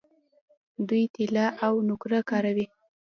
دوی طلا او نقره کاروي.